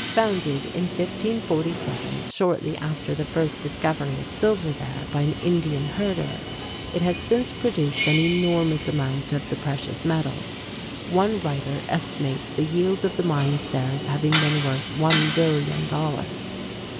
Founded in 1547, shortly after the first discovery of silver there by an Indian herder, it has since produced an enormous amount of the precious metal. One writer estimates the yield of the mines there as having been worth one billion dollars.